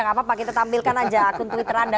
gak apa apa kita tampilkan aja akun twitter anda